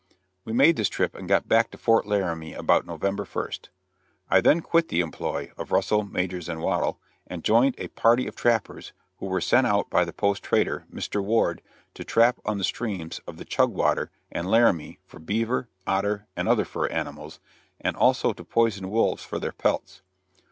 We made this trip and got back to Fort Laramie about November 1st. I then quit the employ of Russell, Majors & Waddell, and joined a party of trappers who were sent out by the post trader, Mr. Ward, to trap on the streams of the Chugwater and Laramie for beaver, otter, and other fur animals, and also to poison wolves for their pelts.